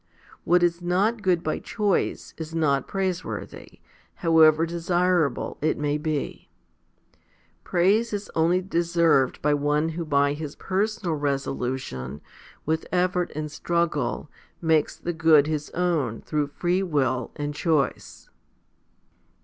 What is not good by choice is not praiseworthy, however desirable it may be. Praise is only deserved by one who by his personal resolution with effort and struggle makes the good his own through free will and choice.